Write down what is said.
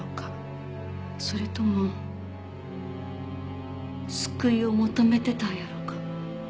それとも救いを求めてたんやろか？